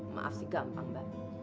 maaf sih gampang mbak